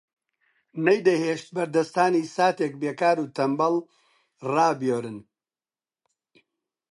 نەیدەهێشت بەردەستانی ساتێک بێکار و تەنبەڵ ڕایبوێرن